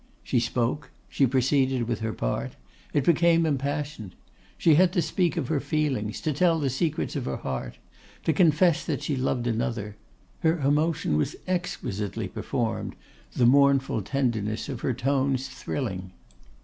She spoke, she proceeded with her part; it became impassioned. She had to speak of her feelings; to tell the secrets of her heart; to confess that she loved another; her emotion was exquisitely performed, the mournful tenderness of her tones thrilling.